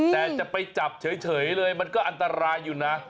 แต่จะไปจับเฉยเลยมันก็อันตรายอยู่นะ